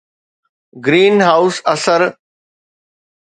green house اثر